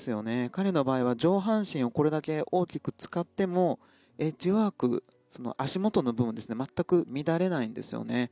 彼の場合は上半身をこれだけ大きく使ってもエッジワーク足元の部分ですね全く乱れないんですよね。